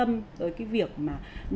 cho chị bảo lâm